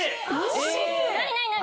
何何何？